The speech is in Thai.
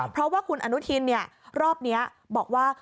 เพราะว่าคุณอนุทินรอบนี้บอกว่า